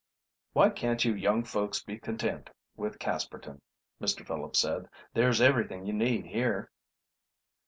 "Why can't you young folks be content with Casperton?" Mr. Phillips said. "There's everything you need here."